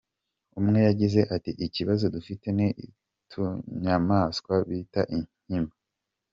Umwe yagize ati "Ikibazo dufite ni utunyamaswa bita inkima .